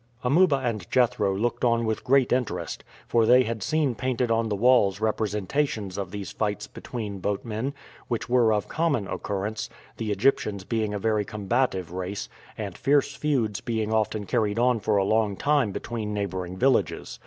Amuba and Jethro looked on with great interest, for they had seen painted on the walls representations of these fights between boatmen, which were of common occurrence, the Egyptians being a very combative race, and fierce feuds being often carried on for a long time between neighboring villages.